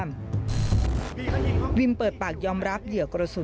มีความรู้สึกว่า